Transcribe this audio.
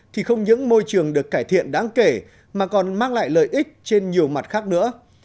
thì không những môi trường được cải thiện đáng kể mà còn mang lại lợi ích trên nhiều mặt khác nữa